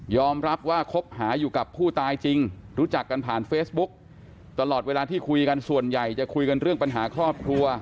รับว่าคบหาอยู่กับผู้ตายจริงรู้จักกันผ่านเฟซบุ๊กตลอดเวลาที่คุยกันส่วนใหญ่จะคุยกันเรื่องปัญหาครอบครัว